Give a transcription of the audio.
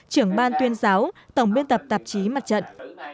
trưởng ban tuyên giáo tổng biên tập tạp chí mặt trận